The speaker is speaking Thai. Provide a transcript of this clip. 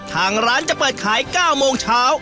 ทางร้านจะเปิดขาย๙โมงเช้า